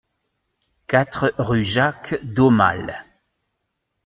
quatre rue Jacques d'Aumale